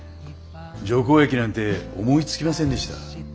除光液なんて思いつきませんでした。